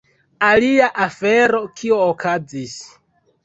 Alia afero, kio okazis: